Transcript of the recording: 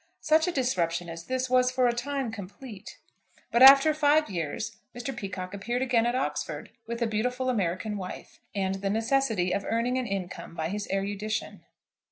Such a disruption as this was for a time complete; but after five years Mr. Peacocke appeared again at Oxford, with a beautiful American wife, and the necessity of earning an income by his erudition.